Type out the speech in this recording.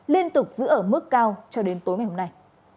liên tục giữ ở mức cao cho đến tối ngày hôm nay